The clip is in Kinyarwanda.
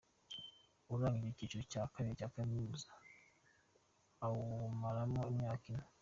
Urangije icyiciro cya kabiri cya kaminuza awumaramo imyaka ine.